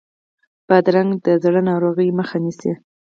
بادرنګ د زړه ناروغیو مخه نیسي.